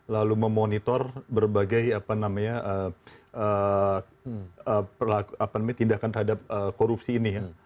lalu memonitor berbagai tindakan terhadap korupsi ini ya